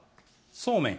そうめん